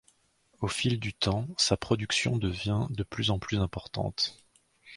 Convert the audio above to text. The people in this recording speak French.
Au fil du temps, sa production devint de plus en plus importante.